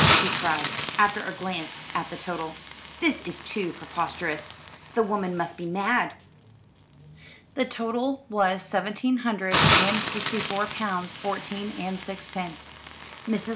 he cried, after a glance at the total. "This is too preposterous. The woman must be mad." The total was seventeen hundred and sixty four pounds fourteen and sixpence. Mrs.